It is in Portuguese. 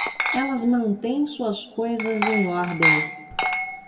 Eles mantêm suas coisas em ordem.